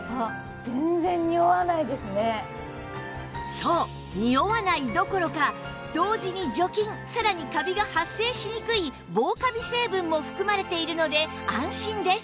そうにおわないどころか同時に除菌さらにカビが発生しにくい防カビ成分も含まれているので安心です